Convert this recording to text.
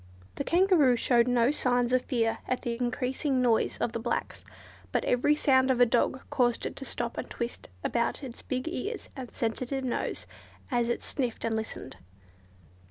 The Kangaroo showed no signs of fear at the increasing noise of the blacks, but every sound of a dog caused it to stop and twist about its big ears and sensitive nose, as it sniffed and listened.